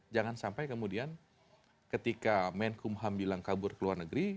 jangan sampai kemudian ketika menkumham bilang kabur ke luar negeri